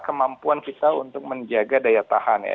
kemampuan vital untuk menjaga daya tahan ya